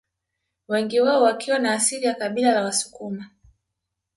Wengi wao wakiwa na asili ya kabila la Wasukuma